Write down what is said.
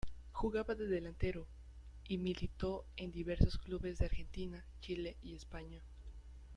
Jugaba de delantero y militó en diversos clubes de Argentina, Chile y España.